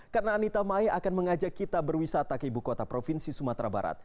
karena anita mai akan mengajak kita berwisata ke ibu kota provinsi sumatera barat